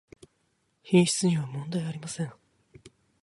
品質にはもんだいありません